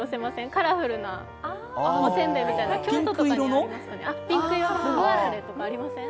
カラフルな、おせんべいみたいな、京都とかにありますよねぶぶあられとかありません？